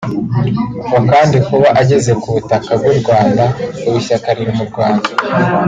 ngo kandi kuba ageze ku butaka bw’u Rwanda ubu ishyaka riri mu Rwanda